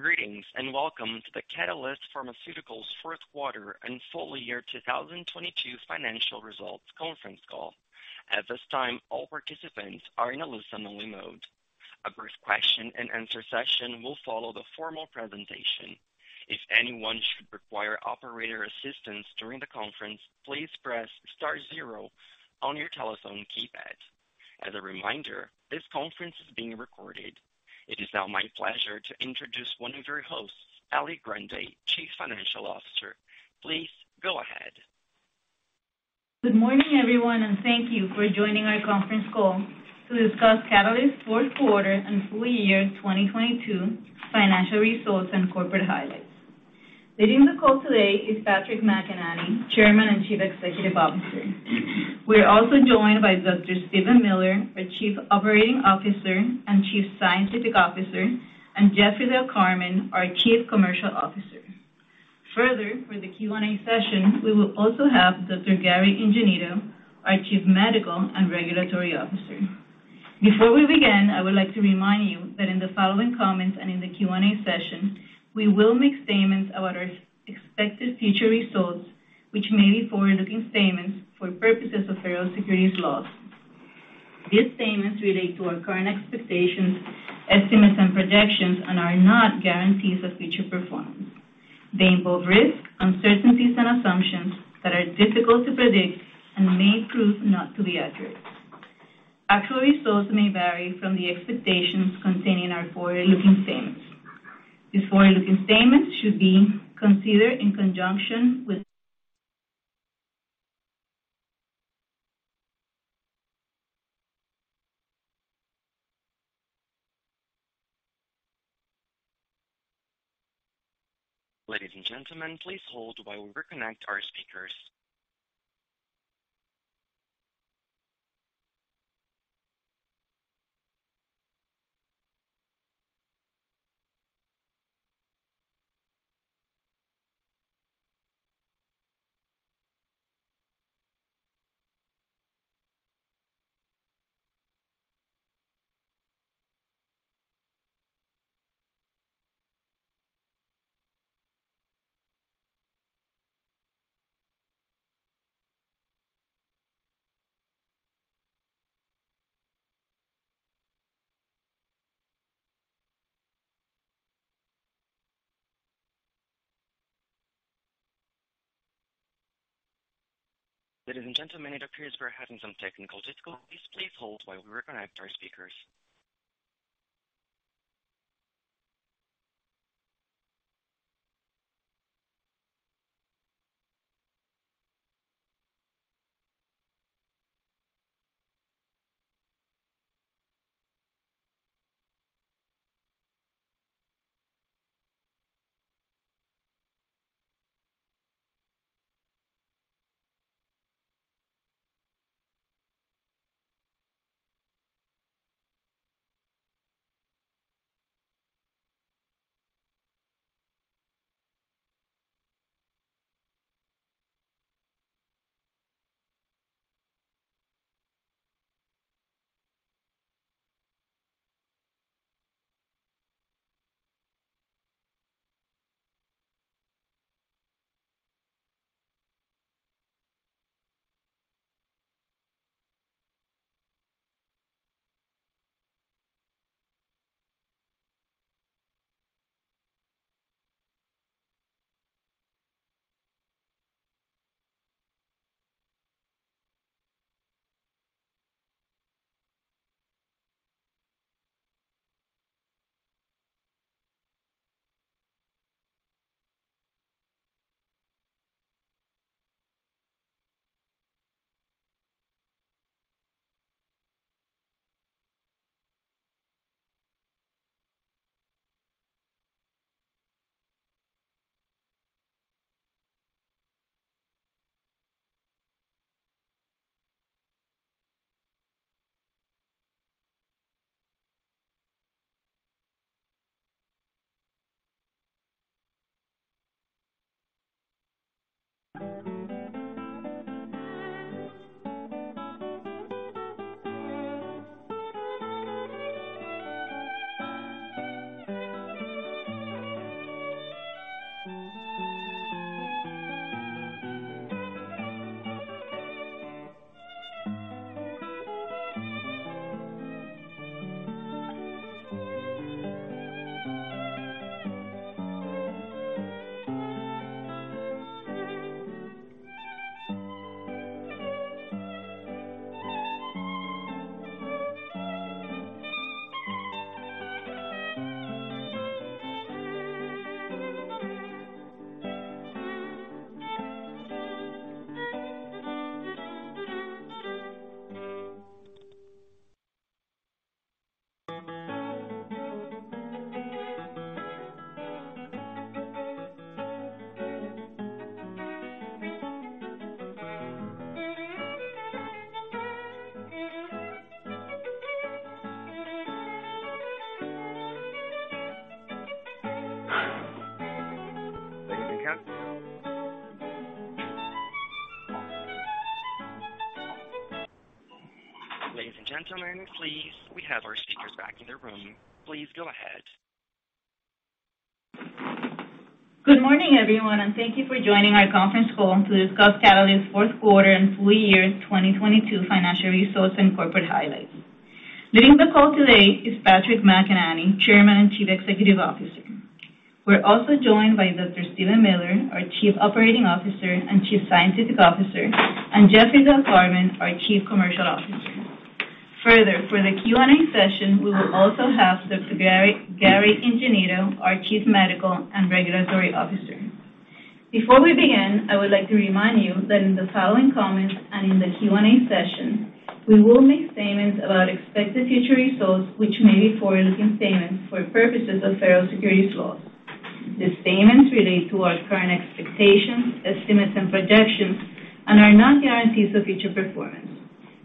Greetings. Welcome to the Catalyst Pharmaceuticals Fourth Quarter and Full Year 2022 Financial Results Conference Call. At this time, all participants are in a listen only mode. A brief question and answer session will follow the formal presentation. If anyone should require operator assistance during the conference, please press star zero on your telephone keypad. As a reminder, this conference is being recorded. It is now my pleasure to introduce one of your hosts, Alicia Grande, Chief Financial Officer. Please go ahead. Good morning, everyone, thank you for joining our conference call to discuss Catalyst Fourth Quarter and Full Year 2022 Financial Results and Corporate Highlights. Leading the call today is Patrick McEnany, Chairman and Chief Executive Officer. We're also joined by Dr. Steven Miller, our Chief Operating Officer and Chief Scientific Officer, and Jeff Del Carmen, our Chief Commercial Officer. Further, for the Q&A session, we will also have Dr. Gary Ingenito, our Chief Medical and Regulatory Officer. Before we begin, I would like to remind you that in the following comments and in the Q&A session, contained in our forward-looking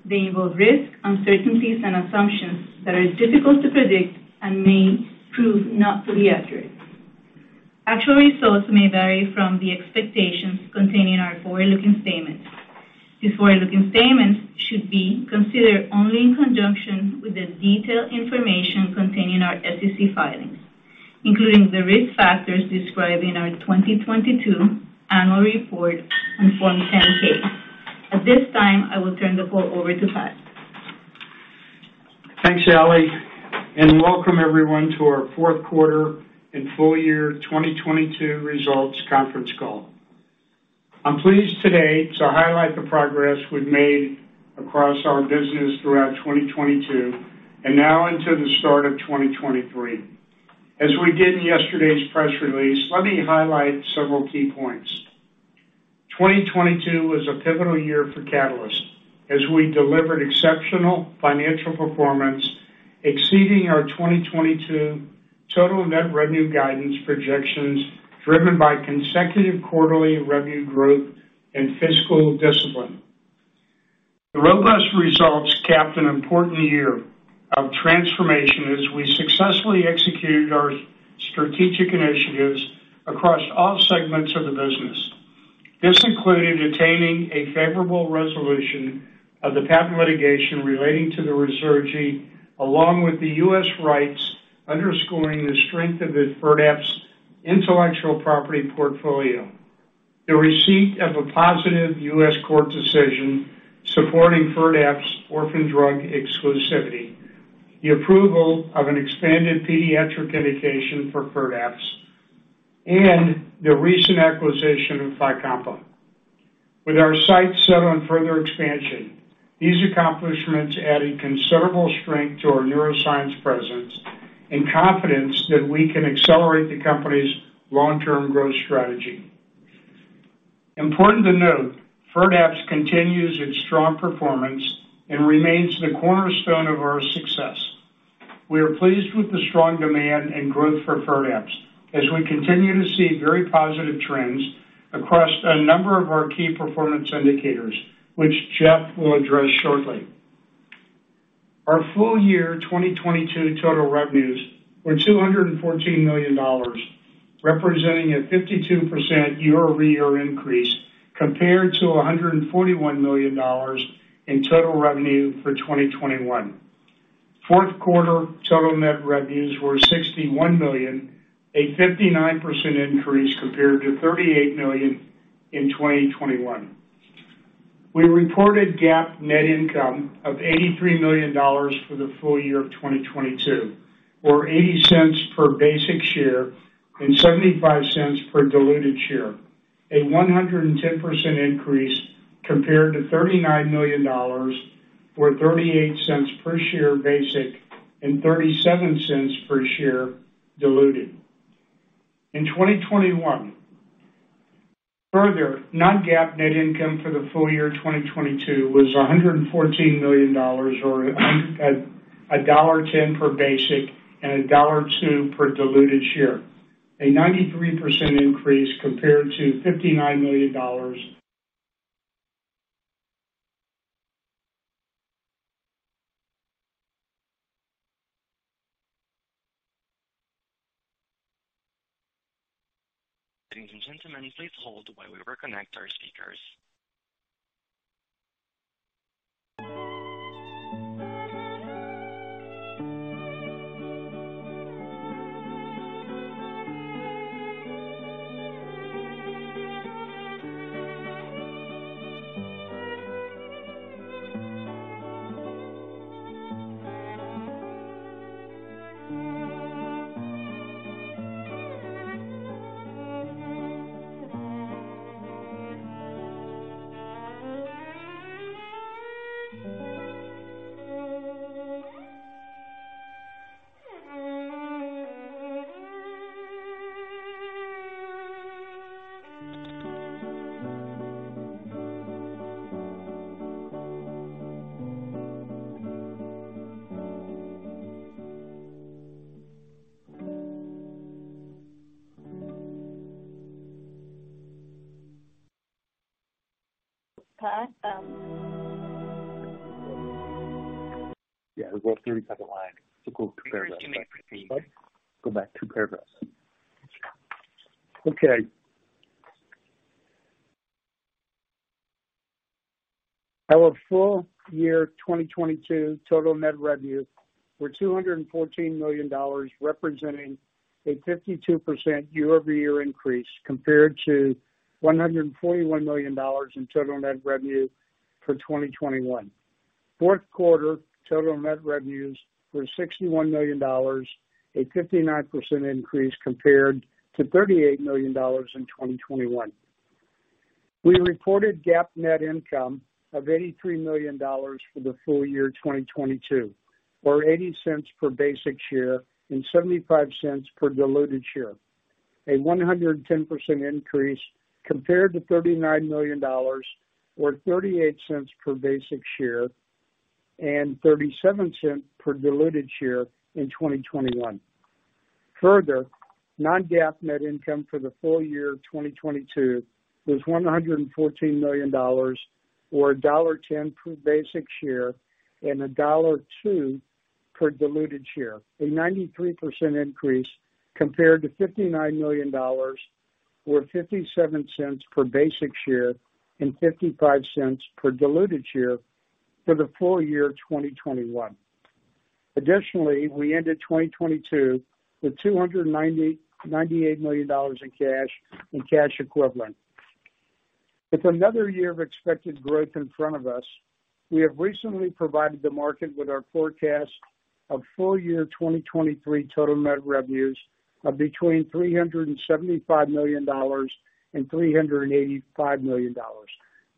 statements. These forward-looking statements should be considered only in conjunction with the detailed information contained in our SEC filings, including the risk factors described in our 2022 annual report and Form 10-K. At this time, I will turn the call over to Pat. Thanks, Ally, and welcome everyone to our fourth quarter and full year 2022 results conference call. I'm pleased today to highlight the progress we've made across our business throughout 2022 and now into the start of 2023. As we did in yesterday's press release, let me highlight several key points. 2022 was a pivotal year for Catalyst as we delivered exceptional financial performance exceeding our 2022 total net revenue guidance projections, driven by consecutive quarterly revenue growth and fiscal discipline. The robust results capped an important year of transformation as we successfully executed our strategic initiatives across all segments of the business. This included attaining a favorable resolution of the patent litigation relating to the Ruzurgi along with the U.S. rights, underscoring the strength of the FIRDAPSE intellectual property portfolio, the receipt of a positive U.S. court decision supporting FIRDAPSE orphan drug exclusivity, the approval of an expanded pediatric indication for FIRDAPSE, and the recent acquisition of FYCOMPA. With our sights set on further expansion, these accomplishments added considerable strength to our neuroscience presence and confidence that we can accelerate the company's long-term growth strategy. Important to note, FIRDAPSE continues its strong performance and remains the cornerstone of our success. We are pleased with the strong demand and growth for FIRDAPSE as we continue to see very positive trends across a number of our key performance indicators, which Jeff will address shortly. Our full year 2022 total revenues were $214 million, representing a 52% year-over-year increase compared to $141 million in total revenue for 2021. Fourth quarter total net revenues were $61 million, a 59% increase compared to $38 million in 2021. We reported GAAP net income of $83 million for the full year of 2022, or $0.80 per basic share and $0.75 per diluted share, a 110% increase compared to $39 million, or $0.38 per share basic and $0.37 per share diluted in 2021. Further, non-GAAP net income for the full year 2022 was $114 million or $1.10 per basic and $1.02 per diluted share, a 93% increase compared to $59 million. Ladies and gentlemen, please hold while we reconnect our speakers. Pat. Yeah, we're both here. We're top of line. Let's go paragraphs back. We heard you may proceed. Go back two paragraphs. Okay. Our full year 2022 total net revenues were $214 million, representing a 52% year-over-year increase compared to $141 million in total net revenue for 2021. Fourth quarter total net revenues were $61 million, a 59% increase compared to $38 million in 2021. We reported GAAP net income of $83 million for the full year 2022, or $0.80 per basic share and $0.75 per diluted share. A 110% increase compared to $39 million, or $0.38 per basic share and $0.37 cent per diluted share in 2021. Further, non-GAAP net income for the full year 2022 was $114 million or $1.10 per basic share and $1.02 per diluted share. A 93% increase compared to $59 million or $0.57 per basic share and $0.55 per diluted share for the full year 2021. Additionally, we ended 2022 with $299.8 million in cash and cash equivalents. With another year of expected growth in front of us, we have recently provided the market with our forecast of full year 2023 total net revenues of between $375 million and $385 million,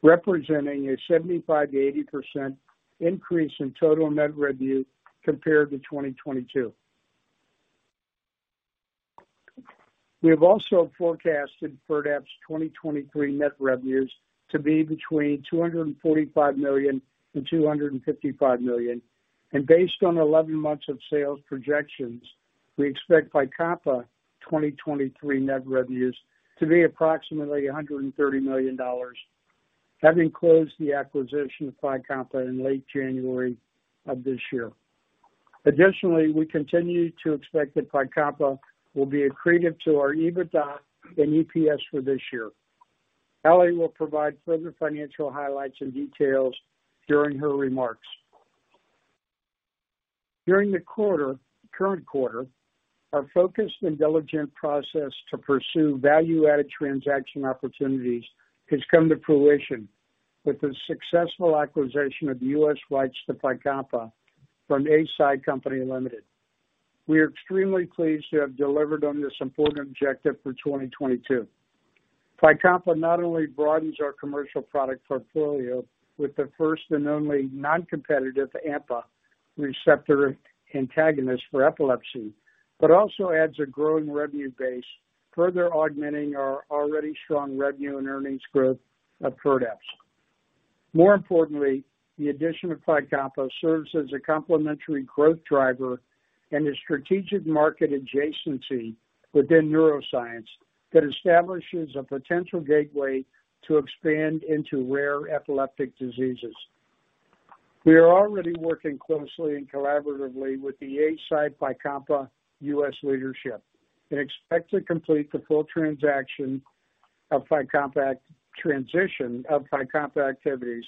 representing a 75%-80% increase in total net revenue compared to 2022. We have also forecasted FIRDAPSE's 2023 net revenues to be between $245 million and $255 million. Based on 11 months of sales projections, we expect FYCOMPA 2023 net revenues to be approximately $130 million, having closed the acquisition of FYCOMPA in late January of this year. Additionally, we continue to expect that FYCOMPA will be accretive to our EBITDA and EPS for this year. Ally will provide further financial highlights and details during her remarks. During the current quarter, our focused and diligent process to pursue value-added transaction opportunities has come to fruition with the successful acquisition of U.S. rights to FYCOMPA from Eisai Co., Ltd. We are extremely pleased to have delivered on this important objective for 2022. FYCOMPA not only broadens our commercial product portfolio with the first and only non-competitive AMPA receptor antagonist for epilepsy, but also adds a growing revenue base, further augmenting our already strong revenue and earnings growth of FIRDAPSE. More importantly, the addition of FYCOMPA serves as a complementary growth driver and a strategic market adjacency within neuroscience that establishes a potential gateway to expand into rare epileptic diseases. We are already working closely and collaboratively with the Eisai FYCOMPA U.S. leadership and expect to complete the full transaction of FYCOMPA transition of FYCOMPA activities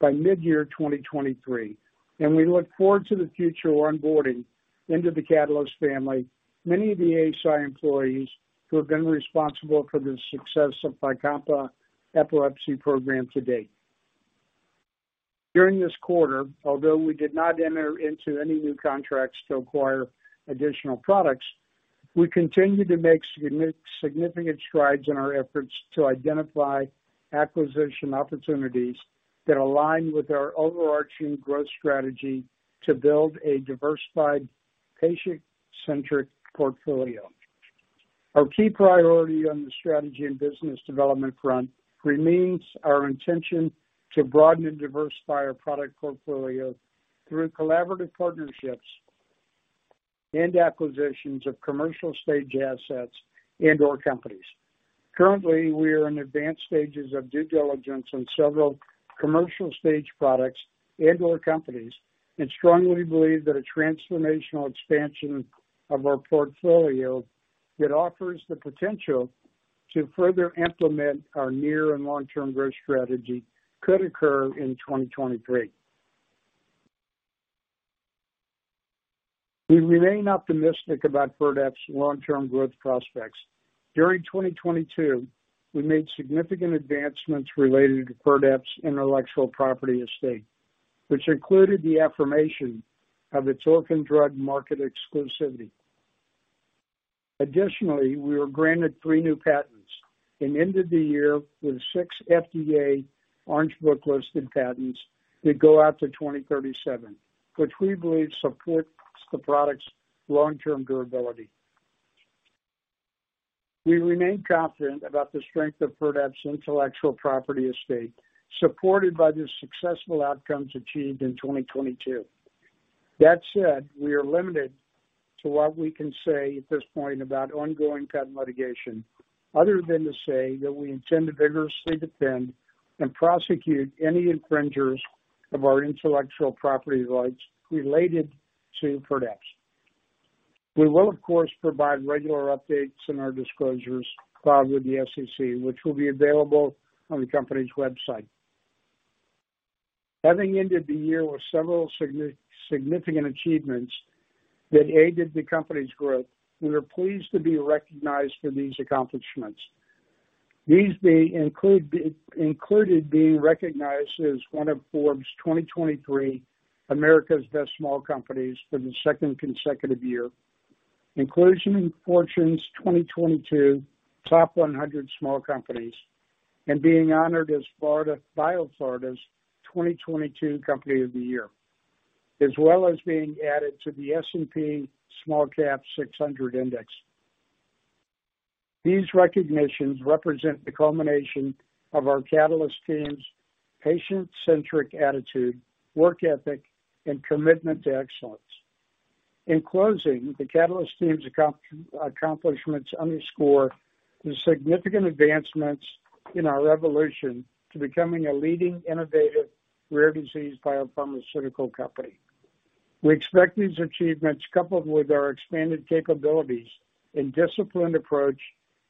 by mid-year 2023. We look forward to the future we're onboarding into the Catalyst family. Many of the Eisai employees who have been responsible for the success of FYCOMPA epilepsy program to date. During this quarter, although we did not enter into any new contracts to acquire additional products, we continue to make significant strides in our efforts to identify acquisition opportunities that align with our overarching growth strategy to build a diversified patient-centric portfolio. Our key priority on the strategy and business development front remains our intention to broaden and diversify our product portfolio through collaborative partnerships and acquisitions of commercial stage assets and/or companies. Currently, we are in advanced stages of due diligence on several commercial stage products and/or companies and strongly believe that a transformational expansion of our portfolio that offers the potential to further implement our near and long-term growth strategy could occur in 2023. We remain optimistic about RDEP's long-term growth prospects. During 2022, we made significant advancements related to RDEP's intellectual property estate, which included the affirmation of its orphan drug exclusivity. Additionally, we were granted three new patents and ended the year with six FDA Orange Book-listed patents that go out to 2037, which we believe supports the product's long-term durability. We remain confident about the strength of FIRDAPSE's intellectual property estate, supported by the successful outcomes achieved in 2022. That said, we are limited to what we can say at this point about ongoing patent litigation, other than to say that we intend to vigorously defend and prosecute any infringers of our intellectual property rights related to FIRDAPSE. We will of course, provide regular updates in our disclosures filed with the SEC, which will be available on the company's website. Having ended the year with several significant achievements that aided the company's growth, we are pleased to be recognized for these accomplishments. These may included being recognized as one of Forbes 2023 America's Best Small Companies for the second consecutive year. Inclusion in Fortune's 2022 top 100 small companies, being honored as BioFlorida's 2022 Company of the Year, as well as being added to the S&P SmallCap 600 index. These recognitions represent the culmination of our Catalyst team's patient-centric attitude, work ethic, and commitment to excellence. In closing, the Catalyst team's accomplishments underscore the significant advancements in our evolution to becoming a leading innovative rare disease biopharmaceutical company. We expect these achievements, coupled with our expanded capabilities and disciplined approach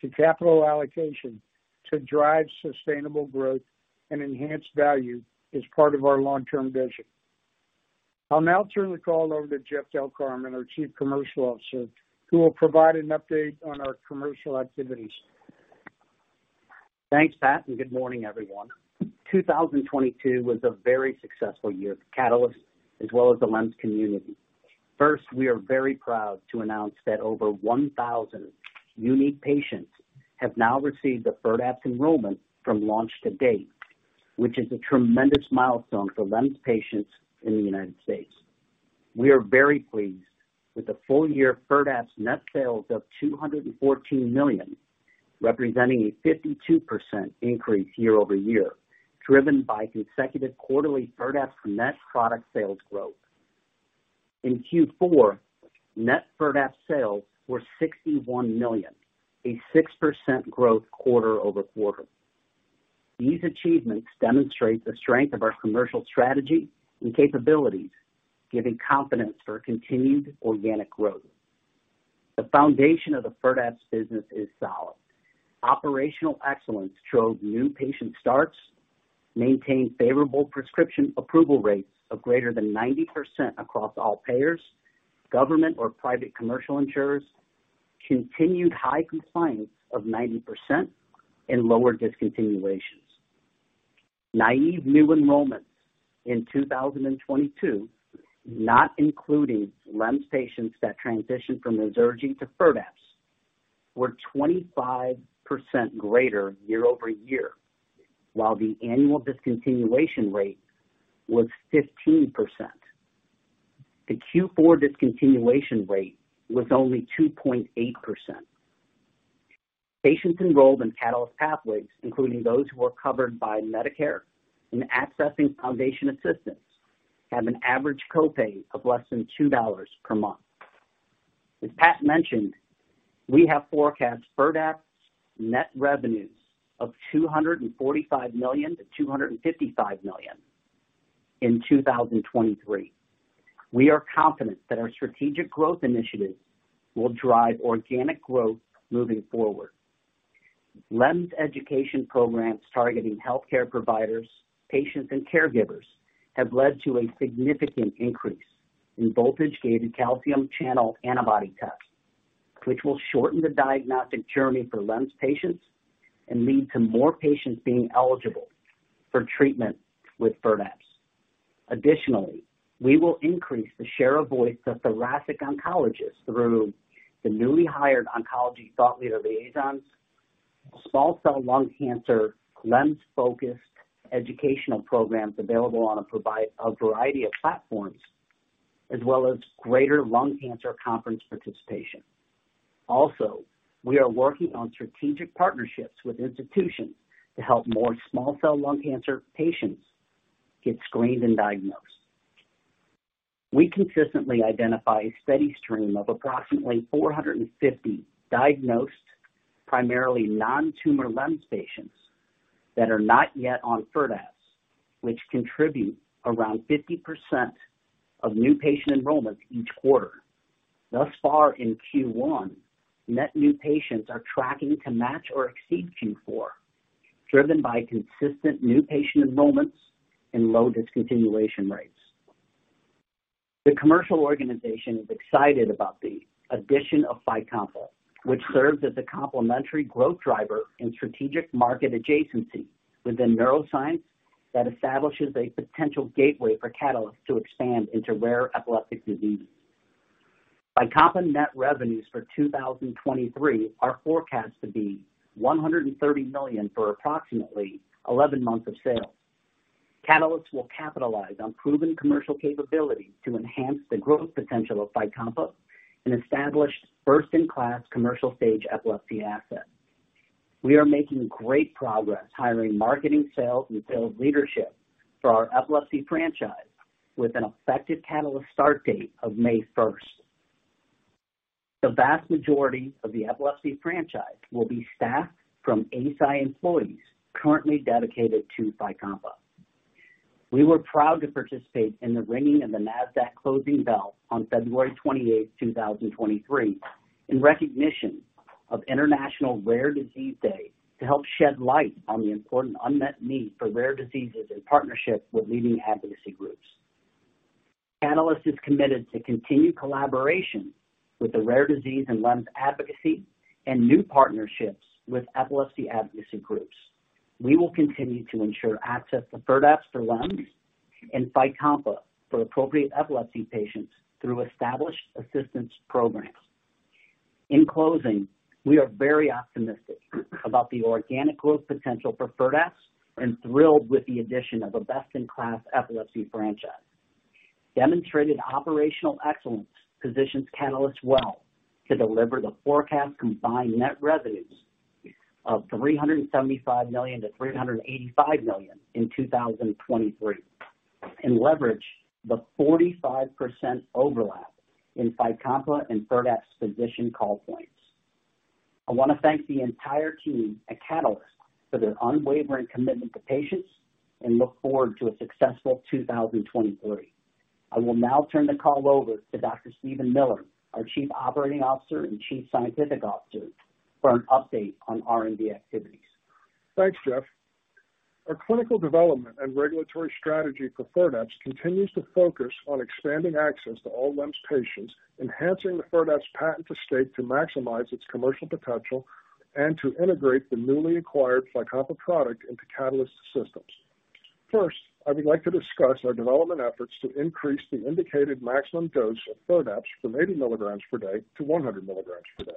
to capital allocation, to drive sustainable growth and enhance value as part of our long-term vision. I'll now turn the call over to Jeff Del Carmen, our Chief Commercial Officer, who will provide an update on our commercial activities. Thanks, Pat. Good morning, everyone. 2022 was a very successful year for Catalyst as well as the LEMS community. First, we are very proud to announce that over 1,000 unique patients have now received the FIRDAPSE enrollment from launch to date, which is a tremendous milestone for LEMS patients in the United States. We are very pleased with the full year FIRDAPSE net sales of $214 million, representing a 52% increase year-over-year, driven by consecutive quarterly FIRDAPSE net product sales growth. In Q4, net FIRDAPSE sales were $61 million, a 6% growth quarter-over-quarter. These achievements demonstrate the strength of our commercial strategy and capabilities, giving confidence for continued organic growth. The foundation of the FIRDAPSE business is solid. Operational excellence showed new patient starts, maintained favorable prescription approval rates of greater than 90% across all payers, government or private commercial insurers, continued high compliance of 90%, and lower discontinuations. Naïve new enrollments in 2022, not including LEMS patients that transitioned from Ruzurgi to FIRDAPSE, were 25% greater year-over-year, while the annual discontinuation rate was 15%. The Q4 discontinuation rate was only 2.8%. Patients enrolled in Catalyst Pathways, including those who are covered by Medicare and accessing foundation assistance, have an average copay of less than $2 per month. As Pat mentioned, we have forecast FIRDAPSE net revenues of $245 million-$255 million in 2023. We are confident that our strategic growth initiatives will drive organic growth moving forward. LEMS education programs targeting healthcare providers, patients, and caregivers have led to a significant increase in voltage-gated calcium channel antibody tests, which will shorten the diagnostic journey for LEMS patients and lead to more patients being eligible for treatment with FIRDAPSE. We will increase the share of voice of thoracic oncologists through the newly hired oncology thought leader liaisons, small cell lung cancer LEMS-focused educational programs available on a variety of platforms, as well as greater lung cancer conference participation. We are working on strategic partnerships with institutions to help more small cell lung cancer patients get screened and diagnosed. We consistently identify a steady stream of approximately 450 diagnosed, primarily non-tumor LEMS patients that are not yet on FIRDAPSE, which contribute around 50% of new patient enrollments each quarter. Thus far in Q1, net new patients are tracking to match or exceed Q4, driven by consistent new patient enrollments and low discontinuation rates. The commercial organization is excited about the addition of FYCOMPA, which serves as a complementary growth driver in strategic market adjacency within neuroscience that establishes a potential gateway for Catalyst to expand into rare epileptic diseases. FYCOMPA net revenues for 2023 are forecast to be $130 million for approximately 11 months of sales. Catalyst will capitalize on proven commercial capabilities to enhance the growth potential of FYCOMPA and establish first-in-class commercial stage epilepsy asset. We are making great progress hiring marketing sales and sales leadership for our epilepsy franchise with an effective Catalyst start date of May 1st. The vast majority of the epilepsy franchise will be staffed from Eisai employees currently dedicated to FYCOMPA. We were proud to participate in the ringing of the Nasdaq closing bell on February 28, 2023, in recognition of International Rare Disease Day to help shed light on the important unmet need for rare diseases in partnership with leading advocacy groups. Catalyst is committed to continued collaboration with the rare disease and LEMS advocacy and new partnerships with epilepsy advocacy groups. We will continue to ensure access to FIRDAPSE for LEMS and FYCOMPA for appropriate epilepsy patients through established assistance programs. In closing, we are very optimistic about the organic growth potential for FIRDAPSE and thrilled with the addition of a best-in-class epilepsy franchise. Demonstrated operational excellence positions Catalyst well to deliver the forecast combined net revenues of $375 million-$385 million in 2023 and leverage the 45% overlap in FYCOMPA and FIRDAPSE physician call points. I want to thank the entire team at Catalyst for their unwavering commitment to patients and look forward to a successful 2023. I will now turn the call over to Dr. Steven Miller, our Chief Operating Officer and Chief Scientific Officer, for an update on R&D activities. Thanks, Jeff. Our clinical development and regulatory strategy for FIRDAPSE continues to focus on expanding access to all LEMS patients, enhancing the FIRDAPSE patent estate to maximize its commercial potential, and to integrate the newly acquired FYCOMPA product into Catalyst's systems. First, I would like to discuss our development efforts to increase the indicated maximum dose of FIRDAPSE from 80 mg per day to 100 mg per day.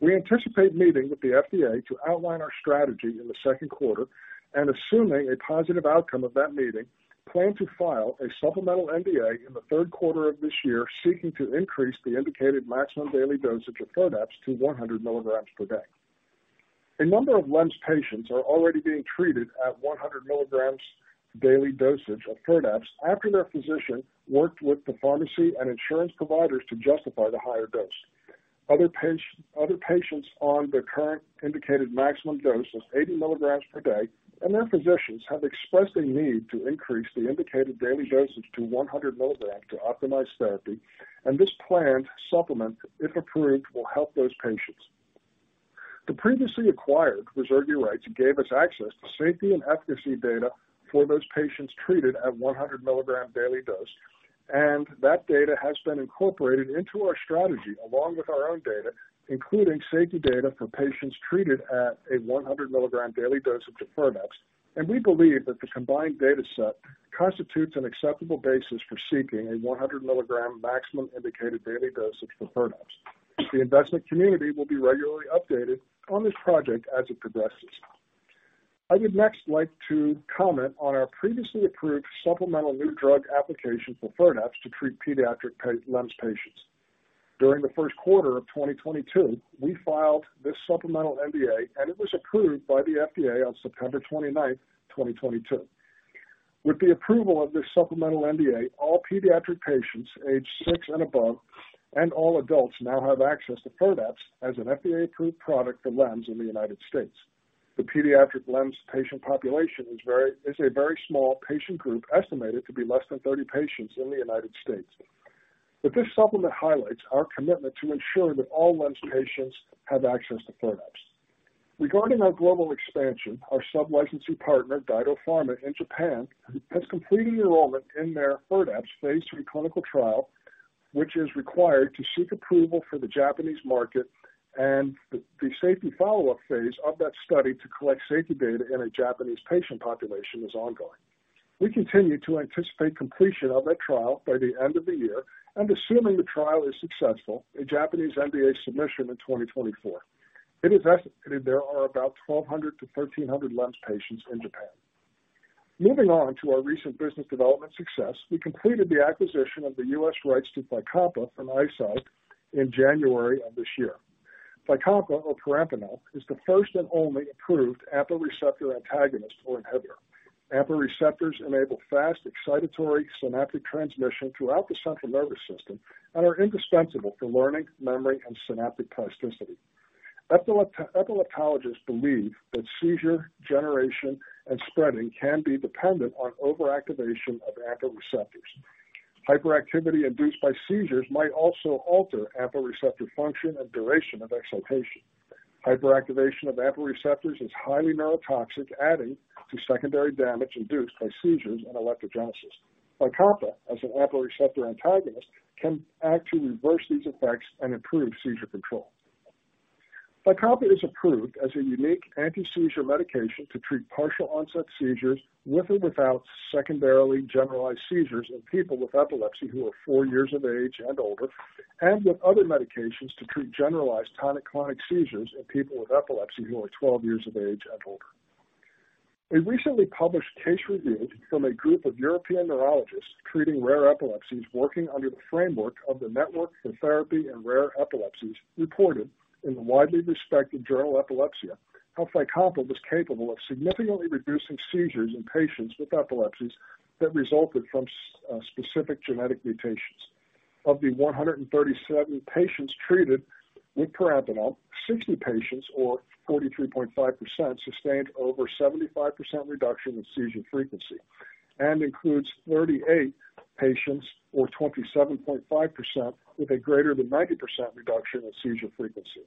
We anticipate meeting with the FDA to outline our strategy in the second quarter. Assuming a positive outcome of that meeting, plan to file a supplemental NDA in the third quarter of this year, seeking to increase the indicated maximum daily dosage of FIRDAPSE to 100 mg per day. A number of LEMS patients are already being treated at 100 mg daily dosage of FIRDAPSE after their physician worked with the pharmacy and insurance providers to justify the higher dose. Other patients on the current indicated maximum dose of 80 mg per day and their physicians have expressed a need to increase the indicated daily dosage to 100 mg to optimize therapy. This planned supplement, if approved, will help those patients. The previously acquired reversion rights gave us access to safety and efficacy data for those patients treated at 100 mg daily dose. That data has been incorporated into our strategy along with our own data, including safety data for patients treated at a 100 mg daily dosage of FIRDAPSE. We believe that the combined data set constitutes an acceptable basis for seeking a 100 mg maximum indicated daily dosage for FIRDAPSE. The investment community will be regularly updated on this project as it progresses. I would next like to comment on our previously approved supplemental new drug application for FIRDAPSE to treat pediatric LEMS patients. During the first quarter of 2022, we filed this supplemental NDA, and it was approved by the FDA on September 29th, 2022. With the approval of this supplemental NDA, all pediatric patients aged six and above, and all adults now have access to FIRDAPSE as an FDA-approved product for LEMS in the United States. The pediatric LEMS patient population is a very small patient group, estimated to be less than 30 patients in the United States. This supplement highlights our commitment to ensure that all LEMS patients have access to FIRDAPSE. Regarding our global expansion, our sub-licensing partner, DyDo Pharma in Japan, has completed enrollment in their FIRDAPSE phase III clinical trial, which is required to seek approval for the Japanese market. The safety follow-up phase of that study to collect safety data in a Japanese patient population is ongoing. We continue to anticipate completion of that trial by the end of the year, and assuming the trial is successful, a Japanese NDA submission in 2024. It is estimated there are about 1,200 to 1,300 LEMS patients in Japan. Moving on to our recent business development success. We completed the acquisition of the U.S. rights to FYCOMPA from Eisai in January of this year. FYCOMPA or perampanel is the first and only approved AMPA receptor antagonist or inhibitor. AMPA receptors enable fast excitatory synaptic transmission throughout the central nervous system and are indispensable for learning, memory, and synaptic plasticity. Epileptologists believe that seizure generation and spreading can be dependent on overactivation of AMPA receptors. Hyperactivity induced by seizures might also alter AMPA receptor function and duration of excitation. Hyperactivation of AMPA receptors is highly neurotoxic, adding to secondary damage induced by seizures and epileptogenesis. Fycompa, as an AMPA receptor antagonist, can actually reverse these effects and improve seizure control. Fycompa is approved as a unique anti-seizure medication to treat partial-onset seizures with or without secondarily generalized seizures in people with epilepsy who are four years of age and older. With other medications to treat primary generalized tonic-clonic seizures in people with epilepsy who are 12 years of age and older. A recently published case review from a group of European neurologists treating rare epilepsies working under the framework of the Network for Therapy in Rare Epilepsies, reported in the widely respected journal Epilepsia how Fycompa was capable of significantly reducing seizures in patients with epilepsies that resulted from specific genetic mutations. Of the 137 patients treated with perampanel, 60 patients or 43.5% sustained over 75% reduction in seizure frequency, and includes 38 patients or 27.5% with a greater than 90% reduction in seizure frequency.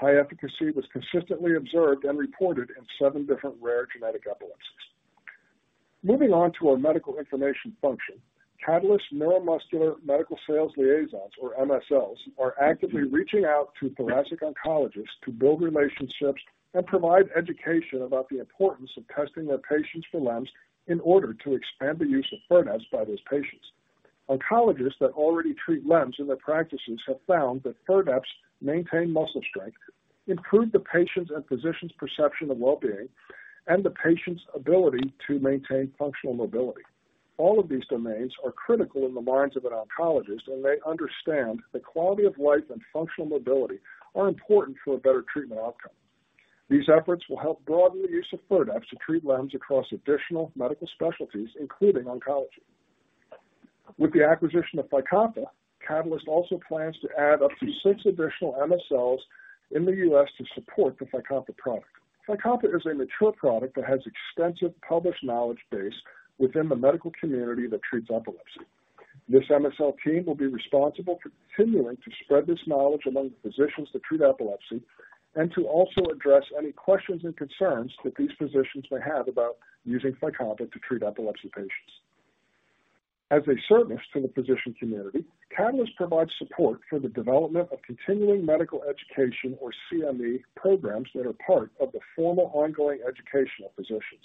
High efficacy was consistently observed and reported in seven different rare genetic epilepsies. Moving on to our medical information function. Catalyst neuromuscular medical science liaisons or MSLs are actively reaching out to thoracic oncologists to build relationships and provide education about the importance of testing their patients for LEMS in order to expand the use of FIRDAPSE by those patients. Oncologists that already treat LEMS in their practices have found that FIRDAPSE maintain muscle strength, improve the patient's and physician's perception of well-being, and the patient's ability to maintain functional mobility. All of these domains are critical in the minds of an oncologist, and they understand that quality of life and functional mobility are important for a better treatment outcome. These efforts will help broaden the use of FIRDAPSE to treat LEMS across additional medical specialties, including oncology. With the acquisition of FYCOMPA, Catalyst also plans to add up to six additional MSLs in the U.S. to support the FYCOMPA product. FYCOMPA is a mature product that has extensive published knowledge base within the medical community that treats epilepsy. This MSL team will be responsible for continuing to spread this knowledge among the physicians that treat epilepsy and to also address any questions and concerns that these physicians may have about using FYCOMPA to treat epilepsy patients. As a service to the physician community, Catalyst provides support for the development of continuing medical education or CME programs that are part of the formal ongoing education of physicians.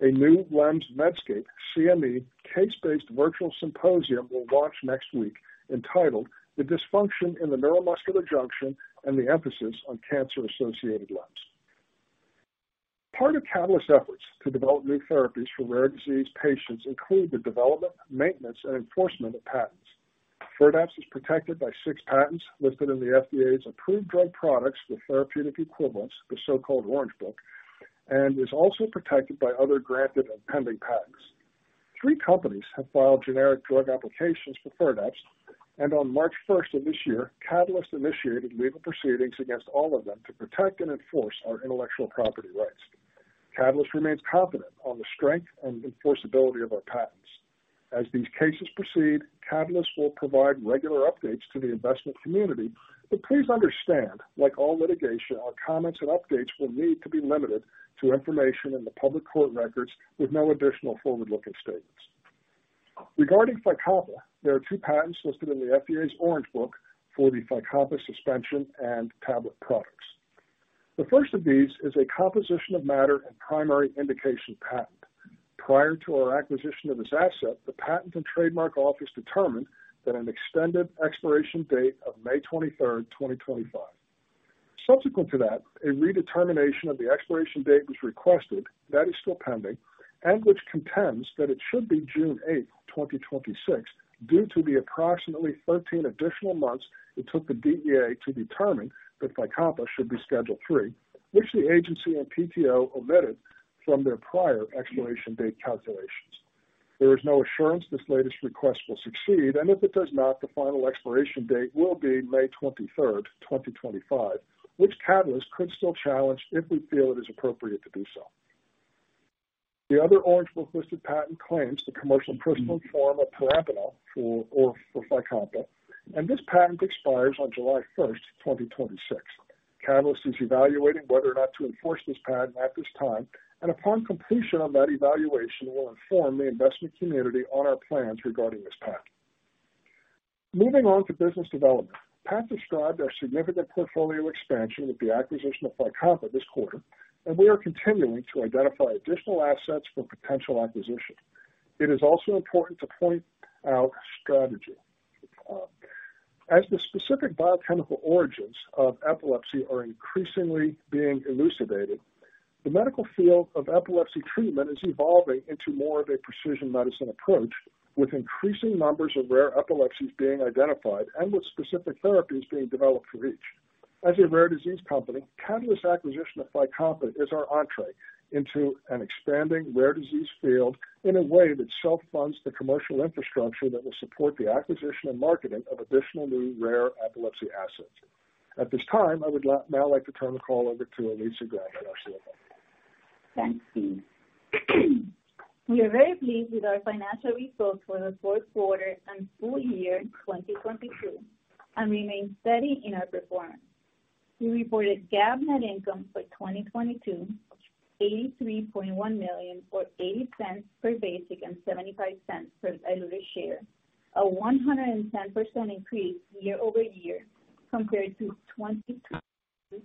A new LEMS Medscape CME case-based virtual symposium will launch next week entitled The Dysfunction in the Neuromuscular Junction and the Emphasis on Cancer-Associated LEMS. Part of Catalyst's efforts to develop new therapies for rare disease patients include the development, maintenance, and enforcement of patents. FIRDAPSE is protected by six patents listed in the FDA's approved drug products for therapeutic equivalents, the so-called Orange Book, and is also protected by other granted and pending patents. Three companies have filed generic drug applications for FIRDAPSE, on March 1st of this year, Catalyst initiated legal proceedings against all of them to protect and enforce our intellectual property rights. Catalyst remains confident on the strength and enforceability of our patents. As these cases proceed, Catalyst will provide regular updates to the investment community. Please understand, like all litigation, our comments and updates will need to be limited to information in the public court records with no additional forward-looking statements. Regarding FYCOMPA, there are two patents listed in the FDA's Orange Book for the FYCOMPA suspension and tablet products. The first of these is a composition of matter and primary indication patent. Prior to our acquisition of this asset, the Patent and Trademark Office determined that an extended expiration date of May 23rd, 2025. Subsequent to that, a redetermination of the expiration date was requested that is still pending, and which contends that it should be June 8th, 2026, due to the approximately 13 additional months it took the DEA to determine that FYCOMPA should be Schedule III, which the agency and PTO omitted from their prior expiration date calculations. There is no assurance this latest request will succeed, and if it does not, the final expiration date will be May 23rd, 2025, which Catalyst could still challenge if we feel it is appropriate to do so. The other Orange Book listed patent claims the commercial crystalline form of perampanel freeform, or for FYCOMPA, and this patent expires on July 1st, 2026. Catalyst is evaluating whether or not to enforce this patent at this time and upon completion of that evaluation, will inform the investment community on our plans regarding this patent. Moving on to business development. Pat described our significant portfolio expansion with the acquisition of FYCOMPA this quarter, and we are continuing to identify additional assets for potential acquisition. It is also important to point out strategy. As the specific biochemical origins of epilepsy are increasingly being elucidated, the medical field of epilepsy treatment is evolving into more of a precision medicine approach, with increasing numbers of rare epilepsies being identified and with specific therapies being developed for each. As a rare disease company, Catalyst acquisition of FYCOMPA is our entrée into an expanding rare disease field in a way that self-funds the commercial infrastructure that will support the acquisition and marketing of additional new rare epilepsy assets.At this time, I would now like to turn the call over to Alicia Grande, our CFO. Thank you. We are very pleased with our financial results for the fourth quarter and full year 2022 and remain steady in our performance. We reported GAAP net income for 2022, $83.1 million, or $0.80 per basic and $0.75 per diluted share. A 110% increase year-over-year compared to twenty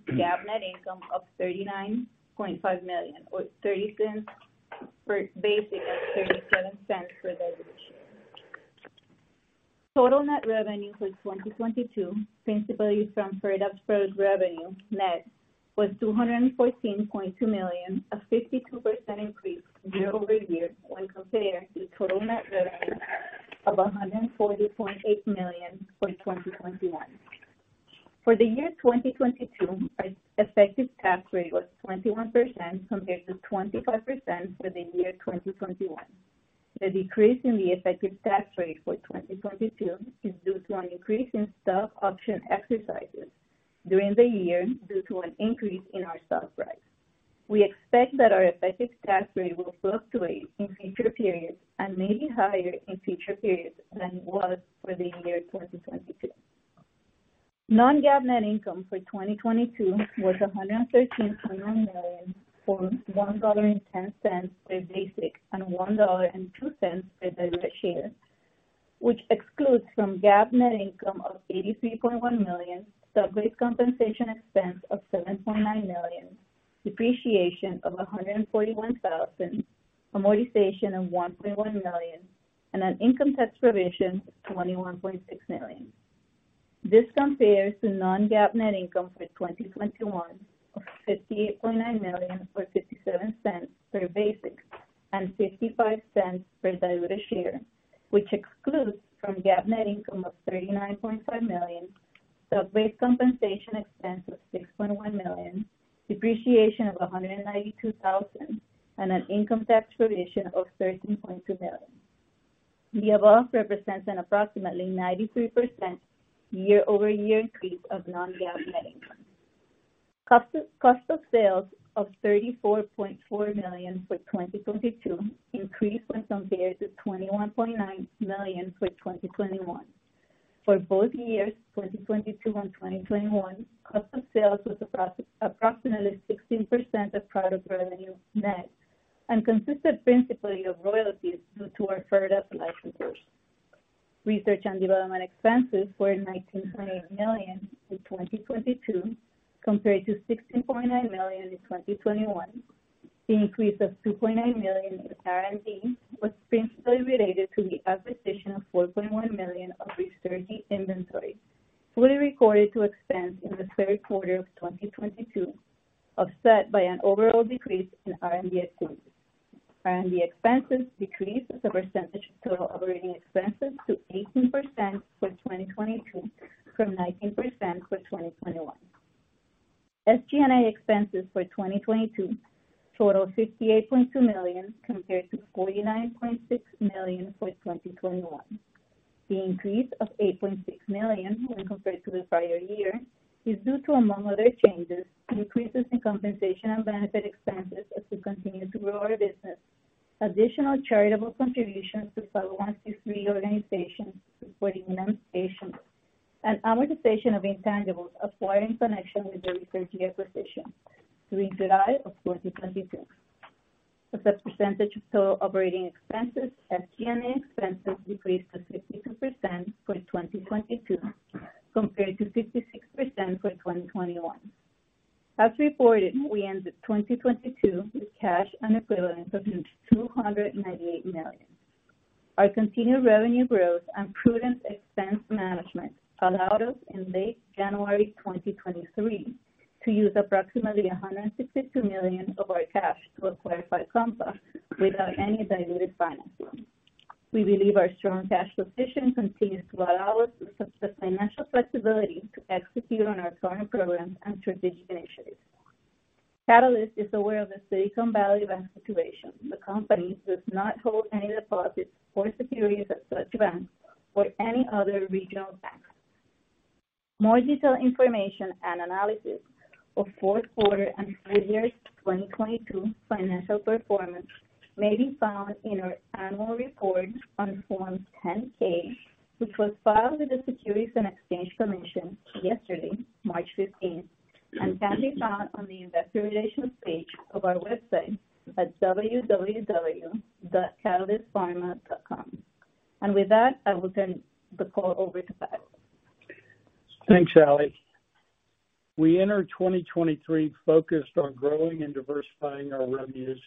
GAAP net income of $39.5 million or $0.30 per basic and $0.37 per diluted share. Total net revenue for 2022, principally from FIRDAPSE drug revenue net, was $214.2 million, a 52% increase year-over-year when compared to total net revenue of $140.8 million for 2021. For the year 2022, our effective tax rate was 21% compared to 25% for the year 2021. The decrease in the effective tax rate for 2022 is due to an increase in stock option exercises during the year, due to an increase in our stock price. We expect that our effective tax rate will fluctuate in future periods and may be higher in future periods than it was for the year 2022. non-GAAP net income for 2022 was $113.9 million, or $1.10 per basic and $1.02 per diluted share, which excludes from GAAP net income of $83.1 million, stock-based compensation expense of $7.9 million, depreciation of $141,000, amortization of $1.1 million, and an income tax provision of $21.6 million. This compares to non-GAAP net income for 2021 of $58.9 million or $0.57 per basic and $0.55 per diluted share, which excludes from GAAP net income of $39.5 million, stock-based compensation expense of $6.1 million, depreciation of $192,000, and an income tax provision of $13.2 million. The above represents an approximately 93% year-over-year increase of non-GAAP net income. Cost of sales of $34.4 million for 2022 increased when compared to $21.9 million for 2021. For both years, 2022 and 2021, cost of sales was approximately 16% of product revenue net and consisted principally of royalties due to our product licensors. Research and development expenses were $19.8 million in 2022 compared to $16.9 million in 2021. The increase of $2.9 million in R&D was principally related to the acquisition of $4.1 million of acquired inventory, fully recorded to expense in the third quarter of 2022, offset by an overall decrease in R&D activity. R&D expenses decreased as a percentage of total operating expenses to 18% for 2022 from 19% for 2021. SG&A expenses for 2022 totaled $58.2 million compared to $49.6 million for 2021. The increase of $8.6 million when compared to the prior year is due to, among other changes, increases in compensation and benefit expenses as we continue to grow our business. Additional charitable contributions to select one to three organizations supporting men's patients. An amortization of intangibles acquired in connection with the Eisai acquisition during July of 2022. As a percentage of total operating expenses, SG&A expenses decreased to 52% for 2022 compared to 56% for 2021. As reported, we ended 2022 with cash and equivalents of $298 million. Our continued revenue growth and prudent expense management allowed us in late January 2023 to use approximately $162 million of our cash to acquire FYCOMPA without any diluted financing. We believe our strong cash position continues to allow us the financial flexibility to execute on our current programs and strategic initiatives. Catalyst is aware of the Silicon Valley Bank situation. The company does not hold any deposits or securities at such bank or any other regional banks. More detailed information and analysis of fourth quarter and full year's 2022 financial performance may be found in our annual report on Form 10-K, which was filed with the Securities and Exchange Commission yesterday, March 15th, and can be found on the investor relations page of our website at www.catalystpharma.com. With that, I will turn the call over to Pat. Thanks, Ali. We enter 2023 focused on growing and diversifying our revenues,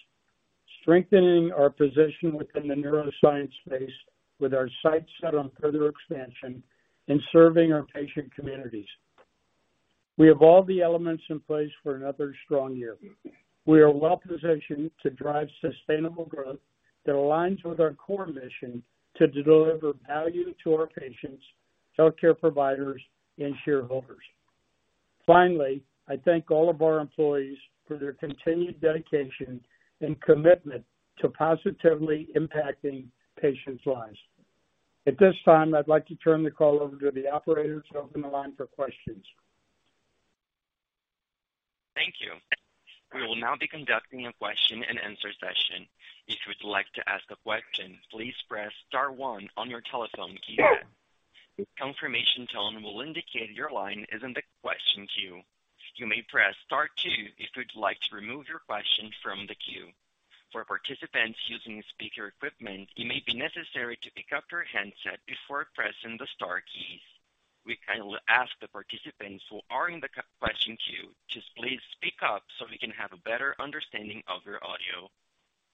strengthening our position within the neuroscience space with our sights set on further expansion and serving our patient communities. We have all the elements in place for another strong year. We are well positioned to drive sustainable growth that aligns with our core mission to deliver value to our patients, healthcare providers, and shareholders. Finally, I thank all of our employees for their continued dedication and commitment to positively impacting patients' lives. At this time, I'd like to turn the call over to the operator to open the line for questions. Thank you. We will now be conducting a question and answer session. If you would like to ask a question, please press star one on your telephone keypad. A confirmation tone will indicate your line is in the question queue. You may press star two if you'd like to remove your question from the queue. For participants using speaker equipment, it may be necessary to pick up your handset before pressing the star keys. We kindly ask the participants who are in the question queue to please speak up so we can have a better understanding of your audio.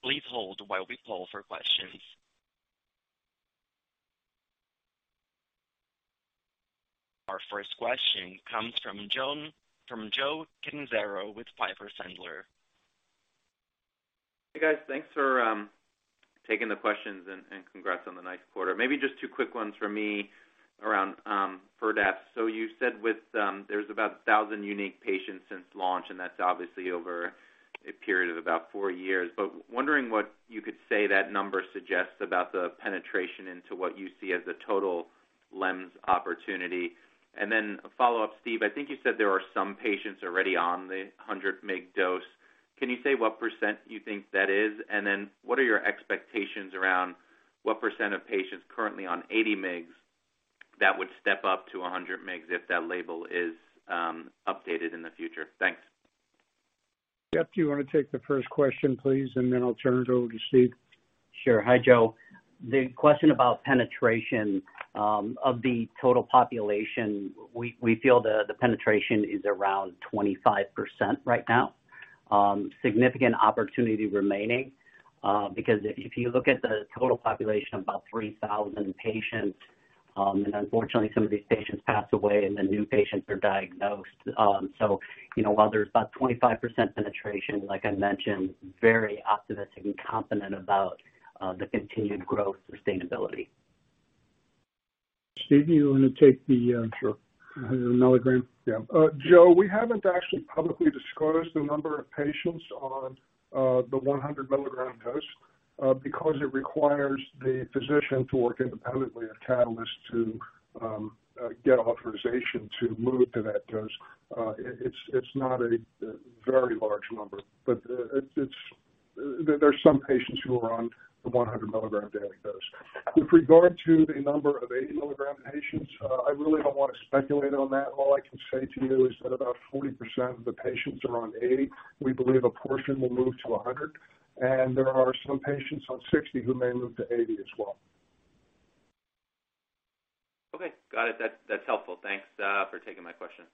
Please hold while we call for questions. Our first question comes from Joseph Catanzaro with Piper Sandler. Hey guys, thanks for taking the questions and congrats on the nice quarter. Maybe just two quick ones for me around FIRDAPSE. You said with, there's about 1,000 unique patients since launch, and that's obviously over a period of about four years. Wondering what you could say that number suggests about the penetration into what you see as the total LEMS opportunity. A follow-up, Steve, I think you said there are some patients already on the 100 mg dose. Can you say what % you think that is? What are your expectations around what % of patients currently on 80 mg that would step up to 100 mg if that label is updated in the future? Thanks. Jeff, do you wanna take the first question, please, and then I'll turn it over to Steve? Sure. Hi, Joe. The question about penetration of the total population, we feel the penetration is around 25% right now. Significant opportunity remaining because if you look at the total population of about 3,000 patients, unfortunately some of these patients pass away and then new patients are diagnosed. You know, while there's about 25% penetration, like I mentioned, very optimistic and confident about the continued growth sustainability. Steve, do you wanna take the? Sure. 100 mg? Yeah. Uh, Joe, we haven't actually publicly disclosed the number of patients on, uh, the 100 mg dose, uh, because it requires the physician to work independently of Catalyst to, um, uh, get authorization to move to that dose. Uh, it's, it's not a, a very large number, but, uh, it's, it's... There, there's some patients who are on the 100 mg daily dose. With regard to the number of80 mg patients, uh, I really don't wanna speculate on that. All I can say to you is that about forty percent of the patients are on eighty. We believe a portion will move to a hundred, and there are some patients on sixty who may move to eighty as well. Okay. Got it. That's helpful. Thanks for taking my question.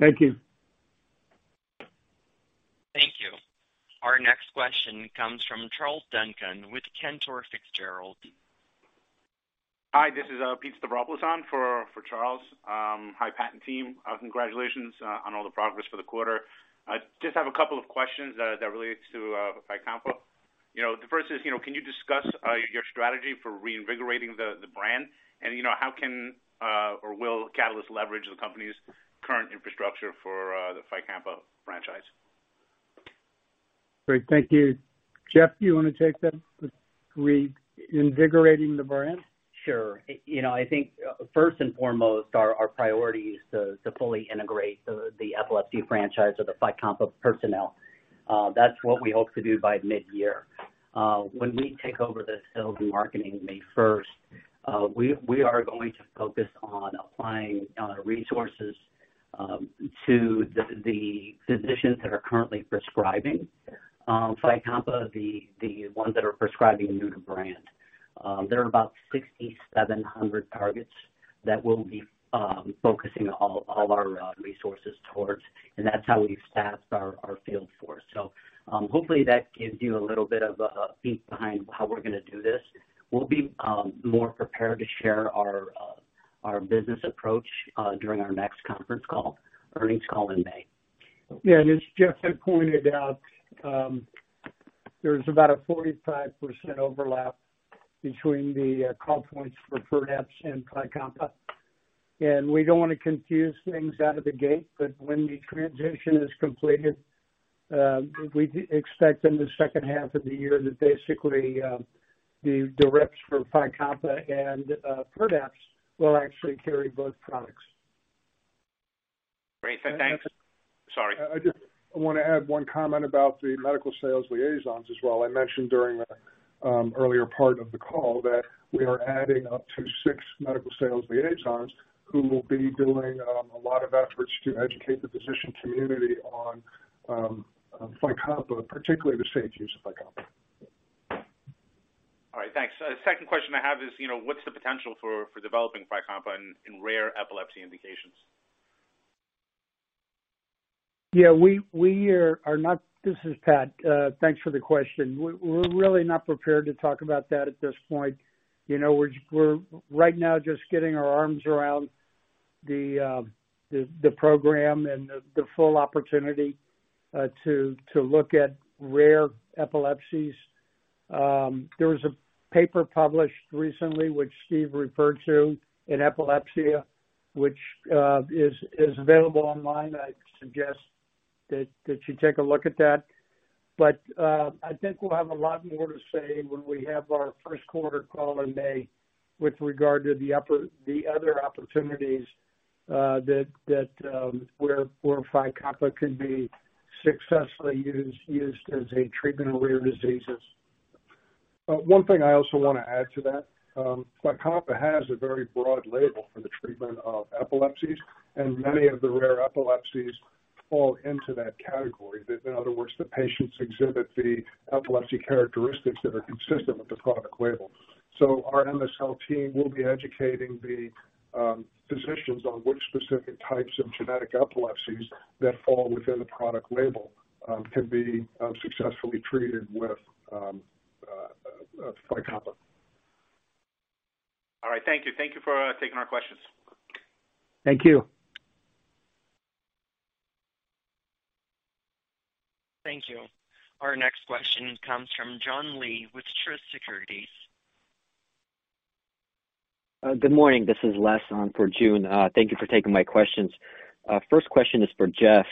Thank you. Thank you. Our next question comes from Charles Duncan with Cantor Fitzgerald. Hi, this is Pete Stavropoulos on for Charles. Hi, Pat and team. Congratulations on all the progress for the quarter. I just have a couple of questions that relates to FYCOMPA. You know, the first is, you know, can you discuss your strategy for reinvigorating the brand? You know, how can or will Catalyst leverage the company's current infrastructure for the FYCOMPA franchise? Great. Thank you. Jeff, do you wanna take that, reinvigorating the brand? Sure. You know, I think first and foremost, our priority is to fully integrate the epilepsy franchise or the FYCOMPA personnel. That's what we hope to do by mid-year. When we take over the sales and marketing May first, we are going to focus on applying resources to the physicians that are currently prescribing FYCOMPA, the ones that are prescribing new to brand. There are about 6,700 targets that we'll be focusing all our resources towards, and that's how we've staffed our field force. Hopefully, that gives you a little bit of a peek behind how we're gonna do this. We'll be more prepared to share our business approach during our next conference call, earnings call in May. Yeah. As Jeff had pointed out, there's about a 45% overlap between the call points for FIRDAPSE and FYCOMPA. We don't wanna confuse things out of the gate, but when the transition is completed, we expect in the second half of the year that basically, the reps for FYCOMPA and FIRDAPSE will actually carry both products. Great. Thanks. And, and- Sorry. I just wanna add one comment about the medical sales liaisons as well. I mentioned during the earlier part of the call that we are adding up to six medical sales liaisons who will be doing a lot of efforts to educate the physician community on FYCOMPA, particularly the safe use of FYCOMPA. All right. Thanks. Second question I have is, you know, what's the potential for developing FYCOMPA in rare epilepsy indications? We are not. This is Patrick McEnany. Thanks for the question. We're really not prepared to talk about that at this point. You know, we're right now just getting our arms around the program and the full opportunity to look at rare epilepsies. There was a paper published recently, which Steven referred to in Epilepsia, which is available online. I suggest that you take a look at that. I think we'll have a lot more to say when we have our first quarter call in May with regard to the other opportunities that where FYCOMPA can be successfully used as a treatment of rare diseases. One thing I also wanna add to that, FYCOMPA has a very broad label for the treatment of epilepsies, and many of the rare epilepsies fall into that category. In other words, the patients exhibit the epilepsy characteristics that are consistent with the product label. Our MSL team will be educating the physicians on which specific types of genetic epilepsies that fall within the product label, can be successfully treated with FYCOMPA. All right. Thank you. Thank you for taking our questions. Thank you. Thank you. Our next question comes from Joon Lee with Truist Securities. Good morning. This is Les on for Joon. Thank you for taking my questions. First question is for Jeff.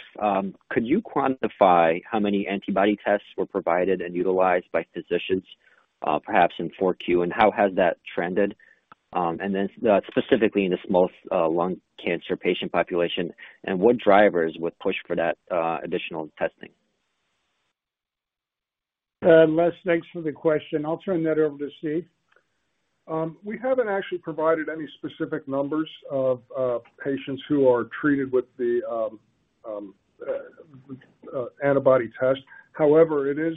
Could you quantify how many antibody tests were provided and utilized by physicians, perhaps in 4Q, and how has that trended? Then, specifically in the small cell lung cancer patient population, and what drivers would push for that, additional testing? Les, thanks for the question. I'll turn that over to Steve. We haven't actually provided any specific numbers of patients who are treated with the antibody test. However, it is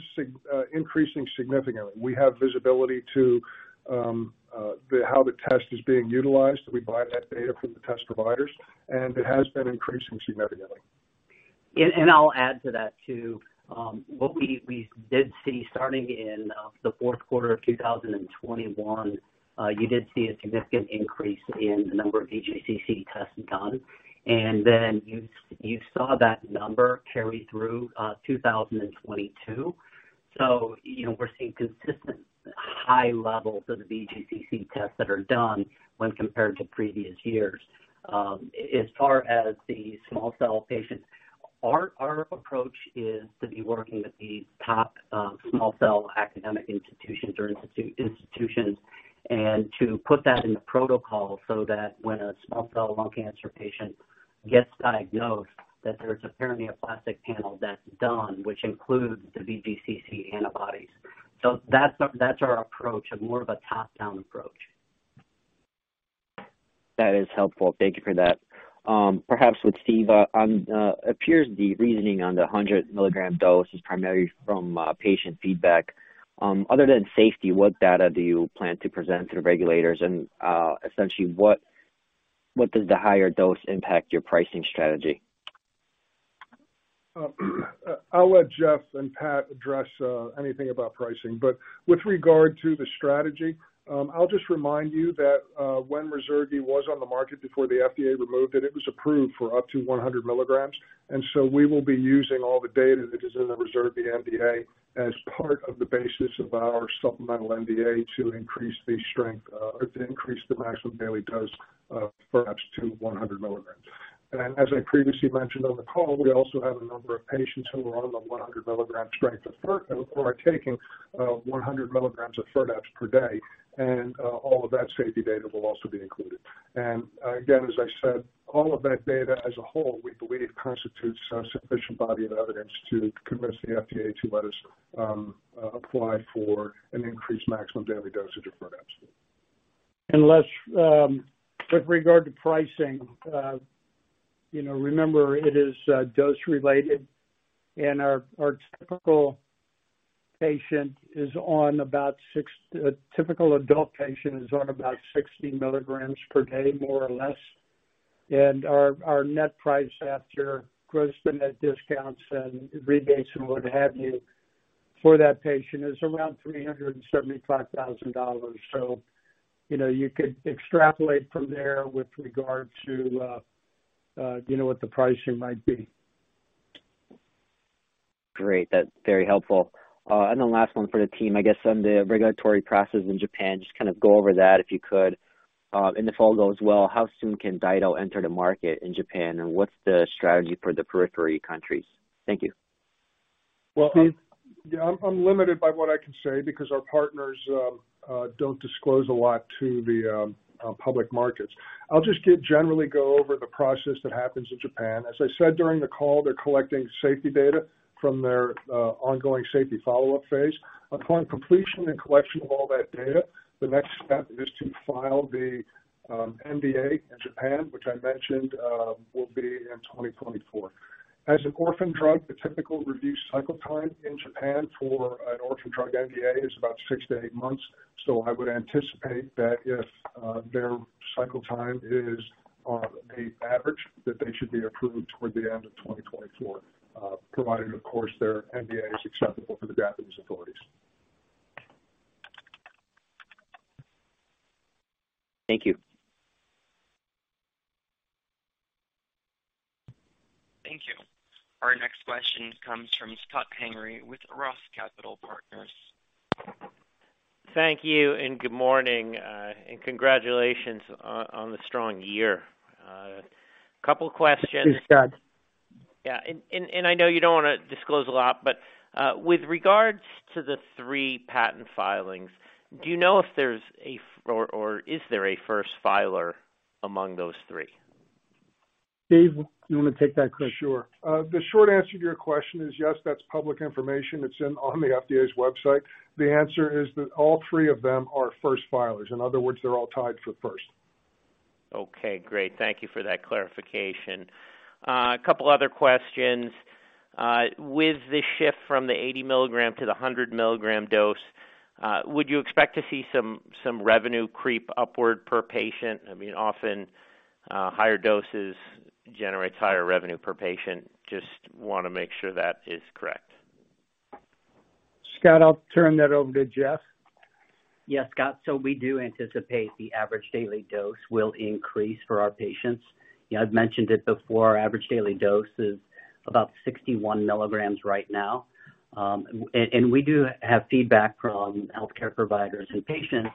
increasing significantly. We have visibility to how the test is being utilized. We buy that data from the test providers, it has been increasing significantly. I'll add to that, too. What we did see starting in the fourth quarter of 2021, you did see a significant increase in the number of VGCC testing done. Then you saw that number carry through 2022. You know, we're seeing consistent high levels of the VGCC tests that are done when compared to previous years. As far as the small cell patients, our approach is to be working with the top small cell academic institutions and to put that in the protocol so that when a small cell lung cancer patient gets diagnosed, that there's a paraneoplastic panel that's done, which includes the VGCC antibodies. That's our, that's our approach, a more of a top-down approach. That is helpful. Thank you for that. Perhaps with Steve on, appears the reasoning on the 100 mg dose is primarily from patient feedback. Other than safety, what data do you plan to present to the regulators? Essentially, what does the higher dose impact your pricing strategy? I'll let Jeff and Pat address anything about pricing. With regard to the strategy, I'll just remind you that when Ruzurgi was on the market before the FDA removed it was approved for up to 100 mg. So we will be using all the data that is in the Ruzurgi NDA as part of the basis of our supplemental NDA to increase the strength, or to increase the maximum daily dose, for up to 100 mg. As I previously mentioned on the call, we also have a number of patients who are on the 100 mg strength of FIRDAPSE who are taking 100 mg of FIRDAPSE per day. All of that safety data will also be included. Again, as I said, all of that data as a whole, we believe constitutes a sufficient body of evidence to convince the FDA to let us apply for an increased maximum daily dosage of FIRDAPSE. Les, with regard to pricing, you know, remember, it is dose related, and our typical adult patient is on about 60 mg per day, more or less. Our net price after gross net discounts and rebates and what have you, for that patient is around $375,000. You know, you could extrapolate from there with regard to, you know, what the pricing might be. Great. That's very helpful. The last one for the team, I guess on the regulatory process in Japan, just kind of go over that, if you could. In the follow as well, how soon can DyDo enter the market in Japan, and what's the strategy for the periphery countries? Thank you. Well- Steve? I'm limited by what I can say because our partners don't disclose a lot to the public markets. I'll just generally go over the process that happens in Japan. As I said during the call, they're collecting safety data from their ongoing safety follow-up phase. Upon completion and collection of all that data, the next step is to file the NDA in Japan, which I mentioned will be in 2024. As an orphan drug, the typical review cycle time in Japan for an orphan drug NDA is about six to eight months. I would anticipate that if their cycle time is on the average, that they should be approved toward the end of 2024, provided, of course, their NDA is acceptable to the Japanese authorities. Thank you. Thank you. Our next question comes from Scott Henry with ROTH Capital Partners. Thank you and good morning. Congratulations on the strong year. Couple questions. Thanks, Scott. Yeah. I know you don't wanna disclose a lot, but, with regards to the three patent filings, do you know if there's a first filer among those three? Steve, do you wanna take that quick? Sure. The short answer to your question is yes, that's public information. It's on the FDA's website. The answer is that all three of them are first filers. In other words, they're all tied for first. Okay, great. Thank you for that clarification. A couple other questions. With the shift from the 80 mg to the 100 mg dose, would you expect to see some revenue creep upward per patient? I mean, often, higher doses generates higher revenue per patient. Just wanna make sure that is correct. Scott, I'll turn that over to Jeff. Yes, Scott. We do anticipate the average daily dose will increase for our patients. You know, I've mentioned it before, our average daily dose is about 61 mg right now. We do have feedback from healthcare providers and patients,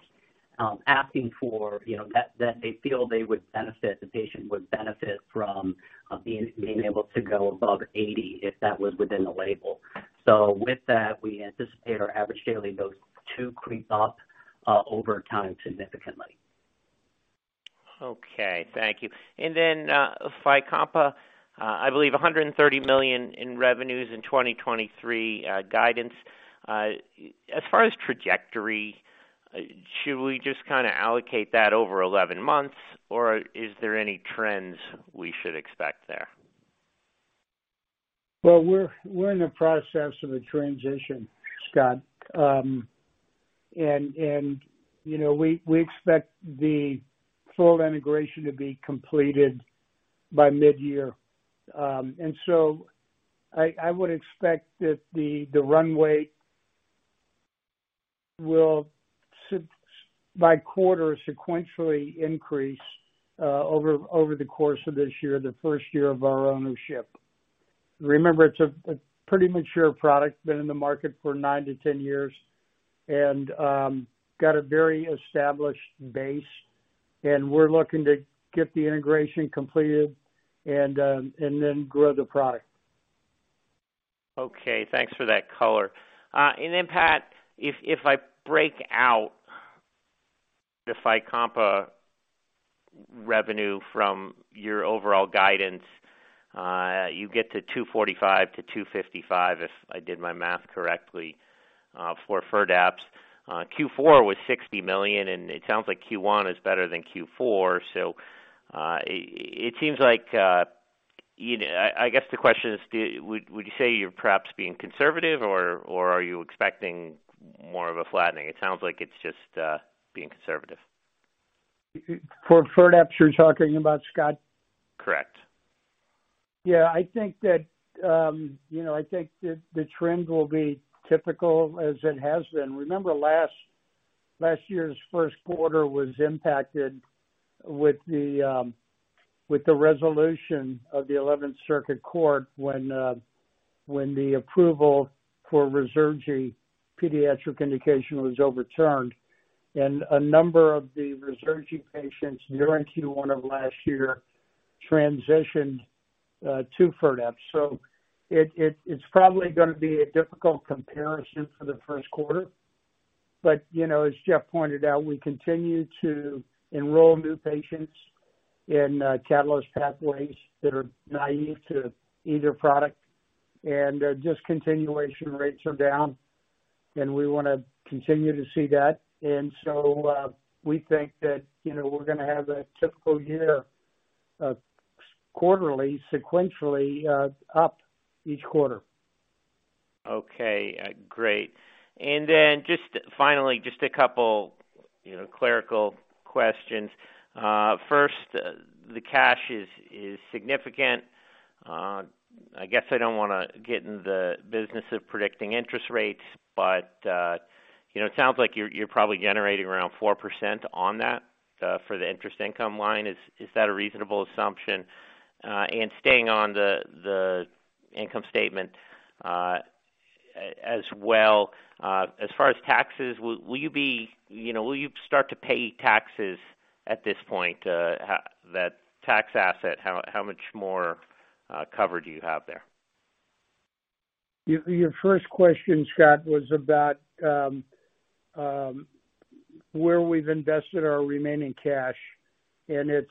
asking for, you know, that they feel they would benefit, the patient would benefit from being able to go above 80, if that was within the label. With that, we anticipate our average daily dose to creep up over time significantly. Okay. Thank you. FYCOMPA, I believe $130 million in revenues in 2023, guidance. As far as trajectory, should we just kinda allocate that over 11 months or is there any trends we should expect there? Well, we're in the process of a transition, Scott. You know, we expect the full integration to be completed by mid-year. I would expect that the runway will by quarter sequentially increase over the course of this year, the first year of our ownership. Remember, it's a pretty mature product, been in the market for nine to 10 years and got a very established base, and we're looking to get the integration completed and then grow the product. Okay. Thanks for that color. Then, Pat, if I break out the FYCOMPA revenue from your overall guidance, you get to $245 million-$255 million, if I did my math correctly, for FIRDAPSE. Q4 was $60 million, and it sounds like Q1 is better than Q4. It seems like, you know, I guess the question is, would you say you're perhaps being conservative or are you expecting more of a flattening? It sounds like it's just, being conservative. For FIRDAPSE, you're talking about, Scott? Correct. I think that, you know, I think that the trend will be typical as it has been. Remember last year's first quarter was impacted with the resolution of the Eleventh Circuit Court when the approval for Ruzurgi pediatric indication was overturned. A number of the Ruzurgi patients during Q1 of last year transitioned to FIRDAPSE. It's probably gonna be a difficult comparison for the first quarter. You know, as Jeff pointed out, we continue to enroll new patients in Catalyst Pathways that are naive to either product. Discontinuation rates are down, and we wanna continue to see that. We think that, you know, we're gonna have a typical year of quarterly, sequentially, up each quarter. Okay. Great. Just finally, just a couple, you know, clerical questions. First, the cash is significant. I guess I don't wanna get into the business of predicting interest rates, but, you know, it sounds like you're probably generating around 4% on that for the interest income line. Is that a reasonable assumption? Staying on the income statement as well, as far as taxes, will you be, you know, will you start to pay taxes at this point? That tax asset, how much more cover do you have there? Your first question, Scott, was about where we've invested our remaining cash. It's,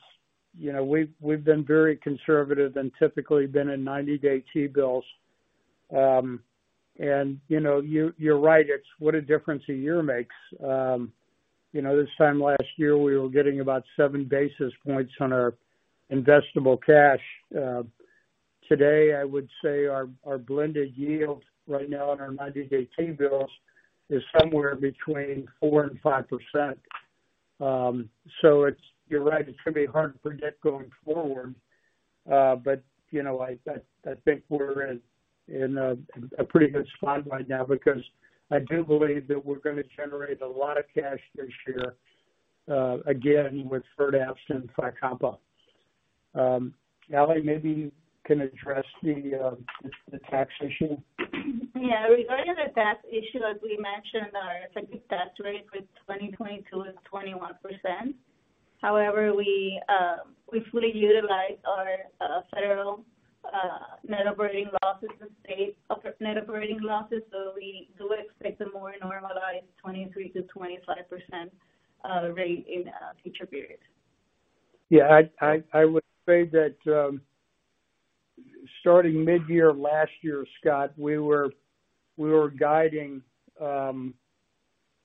you know, we've been very conservative and typically been in 90-day T-bills. You know, you're right. It's what a difference a year makes. You know, this time last year, we were getting about 7 basis points on our investable cash. Today, I would say our blended yield right now in our 90-day T-bills is somewhere between 4% and 5%. It's, you're right, it's gonna be hard to predict going forward. You know, I think we're in a pretty good spot right now because I do believe that we're gonna generate a lot of cash this year, again, with FIRDAPSE and FYCOMPA. Ally, maybe you can address the tax issue. Yeah. Regarding the tax issue, as we mentioned, our effective tax rate for 2022 is 21%. However, we fully utilize our federal net operating losses and state net operating losses, so we do expect a more normalized 23%-25% rate in future periods. Yeah, I'd say that, starting mid-year last year, Scott, we were guiding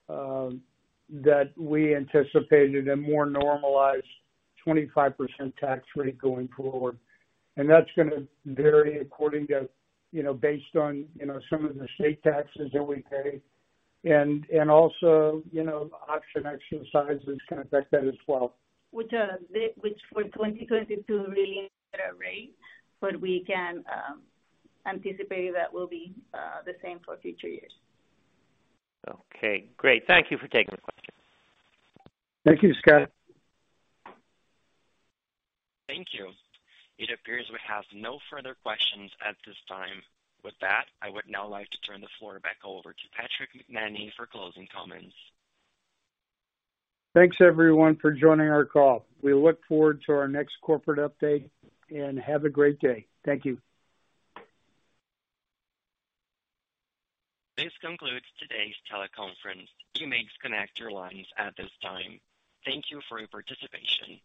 that we anticipated a more normalized 25% tax rate going forward. That's gonna vary according to, you know, based on, you know, some of the state taxes that we pay. Also, you know, option exercise is gonna affect that as well. Which for 2022 really is at a rate. We can anticipate that will be the same for future years. Okay, great. Thank you for taking the question. Thank you, Scott. Thank you. It appears we have no further questions at this time. With that, I would now like to turn the floor back over to Patrick McEnany for closing comments. Thanks, everyone, for joining our call. We look forward to our next corporate update, and have a great day. Thank you. This concludes today's teleconference. You may disconnect your lines at this time. Thank you for your participation.